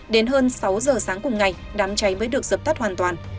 đến hơn sáu giờ sáng cùng ngày đám cháy mới được dập tắt hoàn toàn